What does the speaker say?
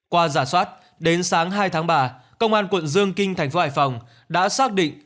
qua giả soát đến sáng hai tháng ba công an quận dương kinh tp hải phòng đã xác định